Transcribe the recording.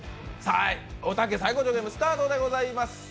おたけサイコッチョーゲームスタートでございます。